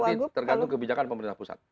tapi tergantung kebijakan pemerintah pusat